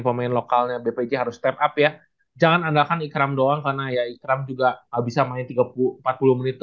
pemain asing ketiga ini